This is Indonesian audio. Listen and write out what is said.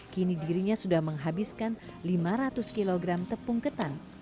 kini dirinya sudah menghabiskan lima ratus kg tepung ketan